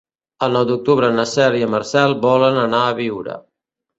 El nou d'octubre na Cel i en Marcel volen anar a Biure.